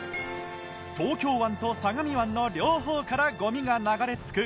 東京湾と相模湾の両方からゴミが流れ着く